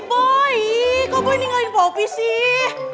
eh boy kau gue ninggalin popi sih